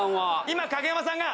今影山さんが。